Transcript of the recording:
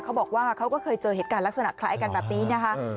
เขาก็เคยเจอเหตุการณ์ลักษณะคล้ายกันแบบนี้นะคะ